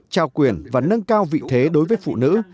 trao quyền và nâng cao vị thế đối với phụ nữ